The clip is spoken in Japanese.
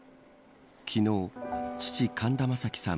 昨日、父、神田正輝さん